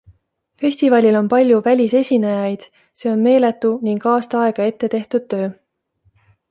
Festivalil on palju välisesinejaid, see on meeletu ning aasta aega ette tehtud töö.